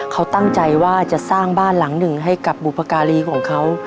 เขาตั้งใจว่าจะสร้างบ้านหลังหนึ่งให้กับบุพการีของเขา